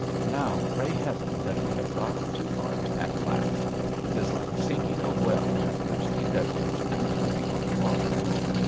Now pray heaven that we have got to heart at last it is like sinking a well in a thirsty desert, and coming on water.